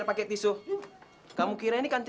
bayarin tuh sekali